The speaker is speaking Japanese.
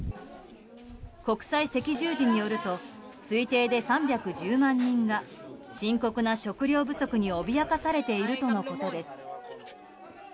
国際赤十字によると推定で３１０万人が深刻な食糧不足に脅かされているとのことです。